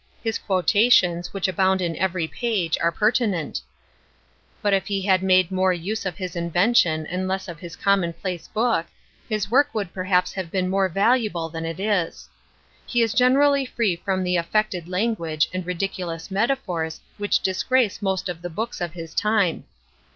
His quotations, which abound in every page, are pertinent; but if he had made more use of his invention and less of his commonplace book, his work would perhaps have been more valuable than it is. He is generally free from the affected language and ridiculous metaphors which disgrace most of the books of his time.